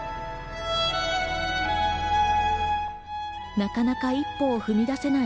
なかなか一歩を踏み出せない